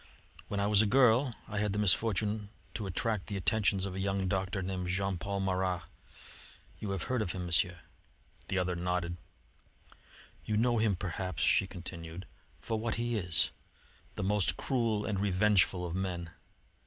When I was a girl I had the misfortune to attract the attentions of a young doctor named Jean Paul Marat. You have heard of him, Monsieur?" The other nodded. "You know him, perhaps," she continued, "for what he is: the most cruel and revengeful of men.